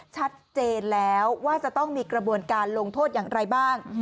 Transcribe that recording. ชัดเจนแล้วว่าจะต้องมีกระบวนการลงโทษอย่างไรบ้าง